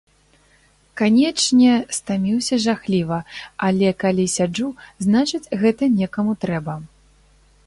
Канечне, стаміўся жахліва, але, калі сяджу, значыць, гэта некаму трэба.